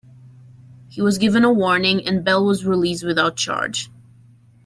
He was given a warning, and Bell was released without charge.